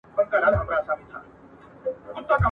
ما یې کړي پر شنېلیو اتڼونه ..